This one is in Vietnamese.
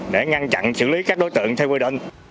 để ngăn chặn xử lý các đối tượng theo quy định